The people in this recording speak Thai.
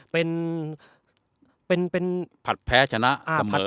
เป็นเป็นเป็นผลัดแพ้ชนะเสมอ